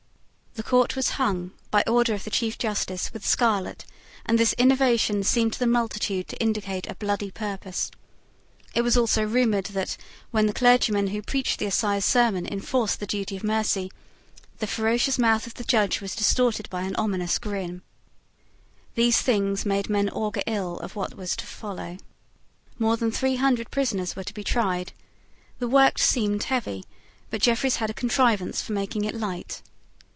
The court was hung, by order of the Chief Justice, with scarlet; and this innovation seemed to the multitude to indicate a bloody purpose. It was also rumoured that, when the clergyman who preached the assize sermon enforced the duty of mercy, the ferocious mouth of the Judge was distorted by an ominous grin. These things made men augur ill of what was to follow. More than three hundred prisoners were to be tried. The work seemed heavy; but Jeffreys had a contrivance for making it light.